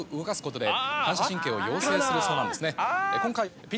するそうなんですね。